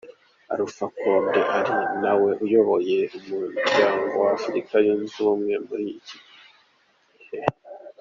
Alpha Condé, ari nawe uyoboye umuryango w’Afurika yunze ubumwe muri iki gihe.